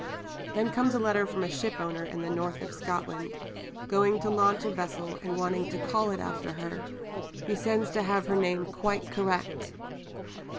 Then comes a letter from a shipowner in the north of Scotland going to launch a vessel, and wanting to call it after her, sends to have her name quite "correct."